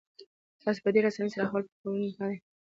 تاسو په ډیرې اسانۍ سره خپل پورونه تادیه کولی شئ.